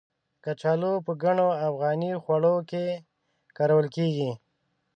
کچالو په ګڼو افغاني خواړو کې کارول کېږي.